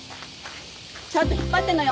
ちゃんと引っ張ってんのよ？